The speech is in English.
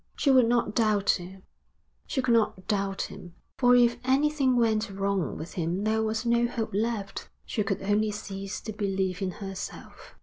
She would not doubt him, she could not doubt him, for if anything went wrong with him there was no hope left. She could only cease to believe in herself.